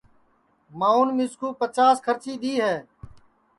ماںٚو مِسکُو پچاس کھرچی دؔی ہے